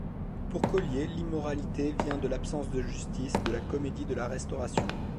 Pour Collier, l'immoralité vient de l'absence de justice de la comédie de la Restauration.